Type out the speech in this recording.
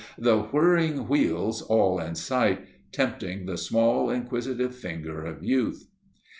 the whirring wheels all in sight, tempting the small, inquisitive finger of youth.